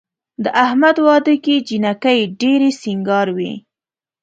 د احمد واده کې جینکۍ ډېرې سینګار وې.